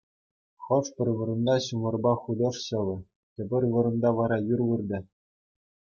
Хӑш-пӗр вырӑнта ҫумӑрпа хутӑш ҫӑвӗ, тепӗр вырӑнта вара юр выртӗ.